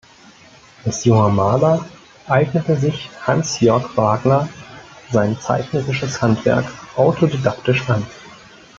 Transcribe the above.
Als junger Maler eignete sich Hansjörg Wagner sein zeichnerisches Handwerk autodidaktisch an.